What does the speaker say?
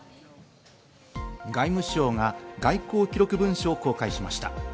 外務省が外交記録文書を公開しました。